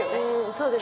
そうです